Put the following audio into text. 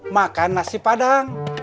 makan nasi padang